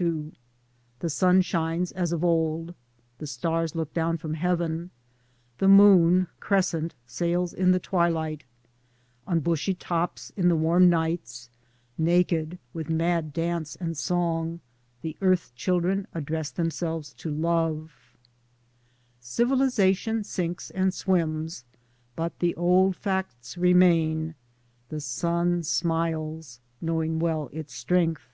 II The sun shines, as of old ; the stars look down from heaven : the moon, crescent, sails in the twilight ; on bushy tops in the warm nights, naked, with mad dance and song, the earth children address themselves to love ; 4 Towards Democracy Civilisation sinks and swims, but the old facts remain — the sun smiles, knowing well its strength.